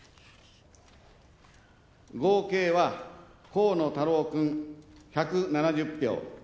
合計は河野太郎君、１７０票。